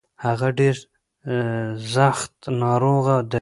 هغه ډير سځت ناروغه دی.